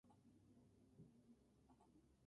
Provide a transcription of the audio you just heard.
Escudo recortado.